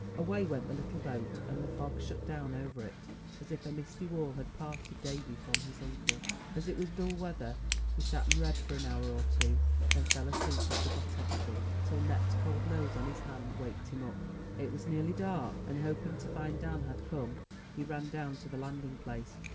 Away went the little boat; and the fog shut down over it, as if a misty wall had parted Davy from his uncle. As it was dull weather, he sat and read for an hour or two; then fell asleep, and forgot everything till Nep's cold nose on his hand waked him up. It was nearly dark; and, hoping to find Dan had come, he ran down to the landing place.